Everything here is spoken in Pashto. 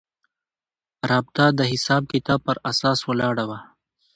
رابطه د حساب کتاب پر اساس ولاړه وه.